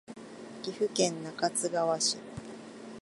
岐阜県中津川市